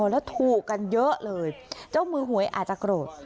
แล้วถูกกันเยอะเลยเจ้ามือหวยอาจจะโกรธ